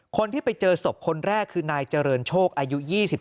คนที่ไปเจอศพคนแรกคือนายเจริญโชคอายุ๒๓